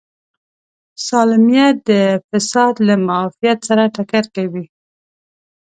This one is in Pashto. سالمیت د فساد له معافیت سره ټکر کوي.